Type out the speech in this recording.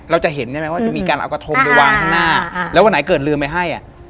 เราจะเห็นใช่ไหมว่าจะมีการเอากระทงไปวางข้างหน้าแล้ววันไหนเกิดลืมไปให้อ่ะ